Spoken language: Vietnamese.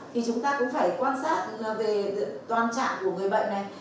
thì chúng ta cũng phải quan sát về toàn trạng của người bệnh này